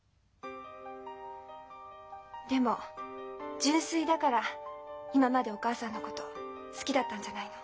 でも純粋だから今までお母さんのこと好きだったんじゃないの？